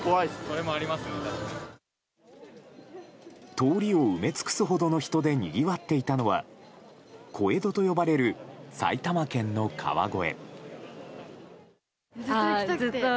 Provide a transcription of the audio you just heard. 通りを埋め尽くすほどの人でにぎわっていたのは小江戸と呼ばれる埼玉県の川越。